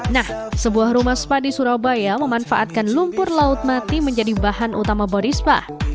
nah sebuah rumah spa di surabaya memanfaatkan lumpur laut mati menjadi bahan utama borispa